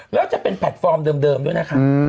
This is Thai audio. แล้วจะเป็นแพลตฟอร์มเดิมด้วยนะคะ